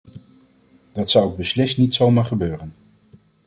Dat zou ook beslist niet zomaar gebeuren.